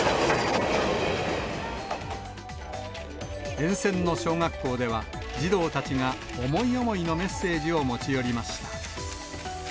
沿線の小学校では、児童たちが思い思いのメッセージを持ち寄りました。